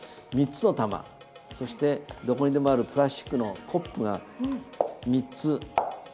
３つの玉そしてどこにでもあるプラスチックのコップが３つ。